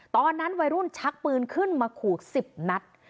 ตอนนั้นวัยรุ่นชักปืนขึ้นมาขู่๑๐นัด